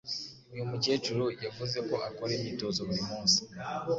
Uyu mukecuru yavuze ko akora imyitozo buri munsi